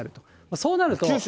そうなると。